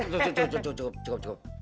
cukup cukup cukup